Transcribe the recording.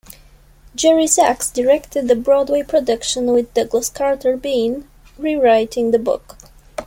Jerry Zaks directed the Broadway production with Douglas Carter Beane rewriting the book.